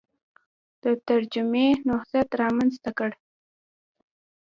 د ترجمې نهضت رامنځته کړ